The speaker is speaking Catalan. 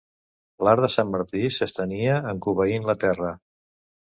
L'arc de Sant Martí s'estenia encobeint la terra.